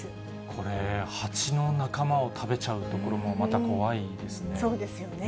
これ、蜂の仲間を食べちゃうところもまた怖いですね。